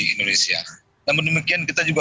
indonesia namun demikian kita juga